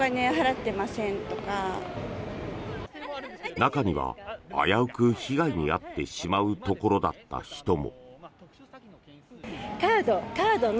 中には、危うく被害に遭ってしまうところだった人も。